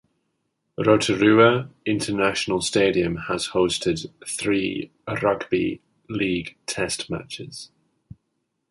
Rotorua International Stadium has hosted three rugby league Test matches.